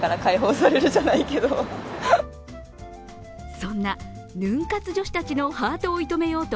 そんなヌン活女子たちのハートを射止めようと